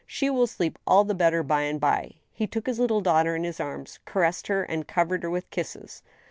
" She will sleep all the better by and by." He took his little daughter in his arms, caressed her, and covered her with kisses.